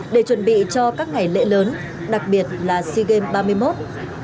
để chuẩn bị cho các ngày lễ lớn đặc biệt là sea games ba mươi một